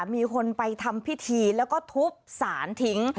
มีคนไปทำพิธีแล้วก็ทุบสารทิ้ง